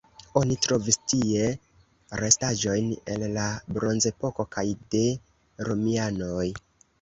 Oni trovis tie restaĵojn el la bronzepoko kaj de romianoj.